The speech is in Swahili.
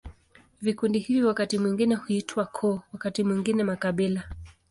Vikundi hivi wakati mwingine huitwa koo, wakati mwingine makabila.